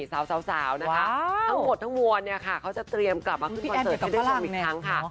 สาวนะคะทั้งหมดทั้งมวลเนี่ยค่ะเขาจะเตรียมกลับมาขึ้นคอนเสิร์ตให้คุณผู้ชมอีกครั้งค่ะ